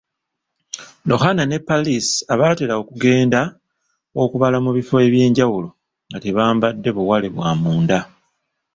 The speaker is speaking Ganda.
Lohan ne Palis abatera okugenda okubbaala mu bifo eby’enjawulo nga tebambadde buwale bw’amunda.